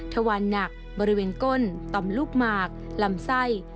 ทวานหนักบริเวณก้นต่อมลูกหมากลำไส้